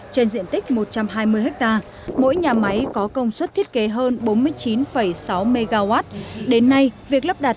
trên diện tích một trăm hai mươi ha mỗi nhà máy có công suất thiết kế hơn bốn mươi chín sáu mw đến nay việc lắp đặt